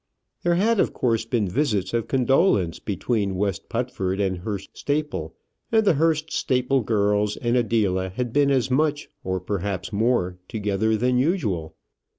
There had of course been visits of condolence between West Putford and Hurst Staple, and the Hurst Staple girls and Adela had been as much, or perhaps more, together than usual.